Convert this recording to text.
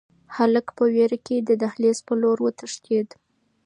هلک په وېره کې د دهلېز په لور وتښتېد.